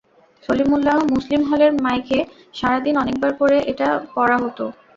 সলিমুল্লাহ মুসলিম হলের মাইকে সারা দিন অনেকবার করে এটা পড়া হতো।